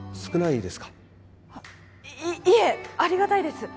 いいえありがたいです